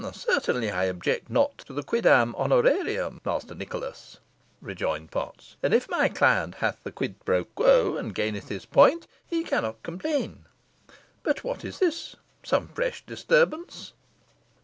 "Certainly, I object not to the quiddam honorarium, Master Nicholas," rejoined Potts; "and if my client hath the quid pro quo, and gaineth his point, he cannot complain. But what is this? Some fresh disturbance!"